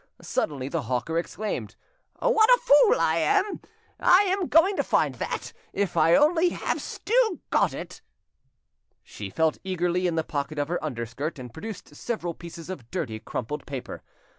Suddenly the hawker exclaimed: "What a fool I am! I am going to find that, if only I have still got it." She felt eagerly in the pocket of her underskirt, and produced several pieces of dirty, crumpled paper.